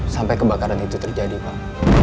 sampai kebakaran itu terjadi pak